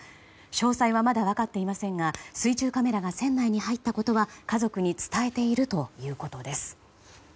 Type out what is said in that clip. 詳細はまだ分かっていませんが水中カメラが船内に入ったことは家族に伝えているということです。